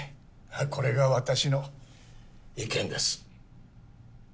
これが私の意見です。